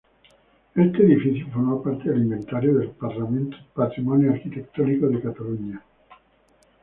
Este edificio forma parte del Inventario del Patrimonio Arquitectónico de Cataluña.